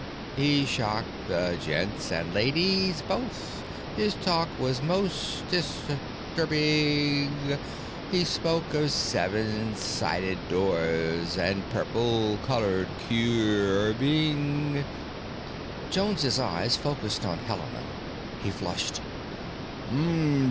He shocked the gents and ladies both; his talk was most disturbing; He spoke of seven sided doors and purple colored curbing——" Jones's eyes focused on Helena. He flushed.